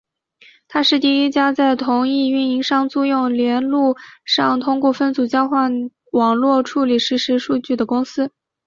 她是第一家在同一运营商租用链路上通过分组交换网络处理实时数据的公司。